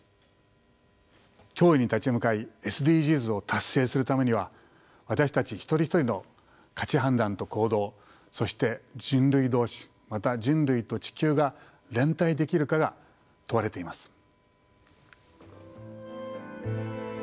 脅威に立ち向かいＳＤＧｓを達成するためには私たち一人一人の価値判断と行動そして人類同士また人類と地球が連帯できるかが問われています。